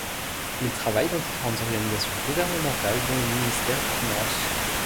Il travaille dans différentes organisations gouvernementales dont le ministère des Finances.